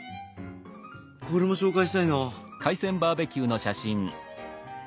これも紹介したいな。